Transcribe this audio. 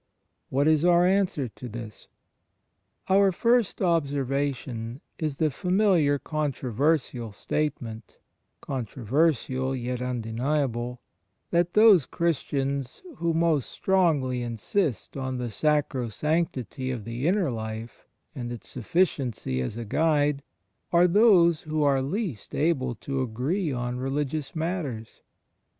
What is our answer to this? Our first observation is the familiar controversial statement — (controversial yet undeniable) — that those Christians who most strongly insist on the sacrosanc tity of the inner life, and its sufficiency as a guide, are those who are least able to agree on religious matters.